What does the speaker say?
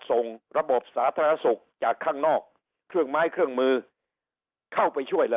ส่งระบบสาธารณสุขจากข้างนอกเครื่องไม้เครื่องมือเข้าไปช่วยละ